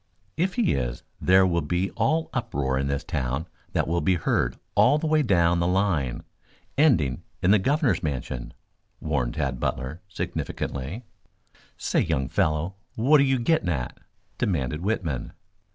"If he is, there will be all uproar in this town that will be heard all the way down the line, ending in the governor's mansion," warned Tad Butler significantly. "Say, young fellow, what are you getting at?" demanded Whitman.